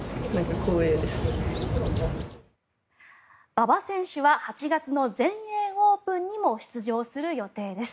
馬場選手は８月の全英オープンにも出場する予定です。